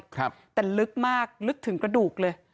ครับแต่ลึกมากลึกถึงกระดูกเลย